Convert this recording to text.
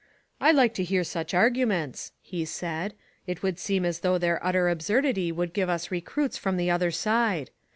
"I like to hear such arguments," he said; "it would seem as though their utter ab surdity would give us recruits from the other side.